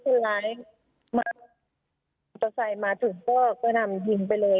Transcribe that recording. คือใส่เสื้อยืดปกติกางเกงปกติแบบนี้เลย